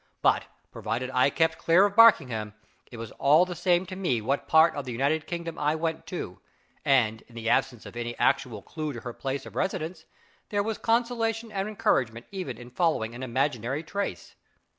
But provided I kept clear of Barkingham, it was all the same to me what part of the United Kingdom I went to; and, in the absence of any actual clew to her place of residence, there was consolation and encouragement even in following an imaginary trace.